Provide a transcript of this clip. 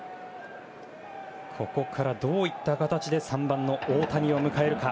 ここからどういった形で３番の大谷を迎えるか。